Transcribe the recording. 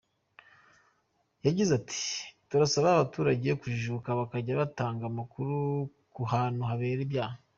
Yagize ati “Turasaba abaturage kujijuka bakajya batanga amakuru ku hantu habera ibyaha.